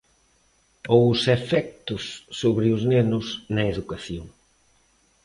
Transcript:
Ou os efectos sobre os nenos na educación.